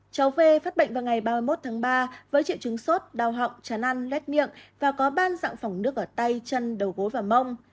cháu v phát bệnh vào ngày ba mươi một tháng ba với triệu chứng sốt đau họng chán ăn lét miệng và có ban dạng phòng nước ở tay chân đầu gối và mông